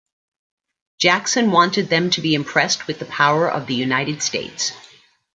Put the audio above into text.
Jackson wanted them to be impressed with the power of the United States.